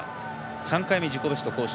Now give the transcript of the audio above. ３回目、自己ベスト更新。